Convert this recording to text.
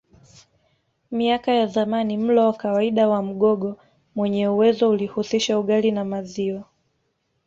Miaka ya zamani mlo wa kawaida wa Mgogo mwenye uwezo ulihusisha ugali na maziwa